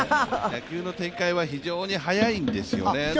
野球の展開は非常に速いんですよね。